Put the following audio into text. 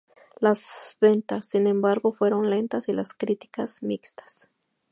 Las ventas, sin embargo, fueron lentas, y las críticas mixtas.